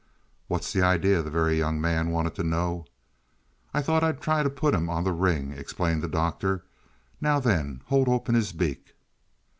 "What's the idea?" the Very Young Man wanted to know. "I thought I'd try and put him on the ring," explained the Doctor. "Now, then hold open his beak."